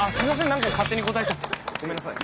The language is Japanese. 何か勝手に答えちゃってごめんなさい。